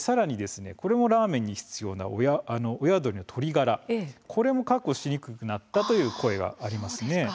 さらにこれもラーメンに必要な親鳥の鶏ガラこれも確保しにくくなったという声があります。